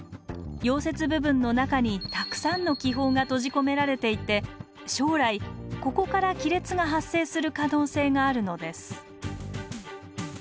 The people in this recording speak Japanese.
溶接部分の中にたくさんの気泡が閉じ込められていて将来ここから亀裂が発生する可能性があるのです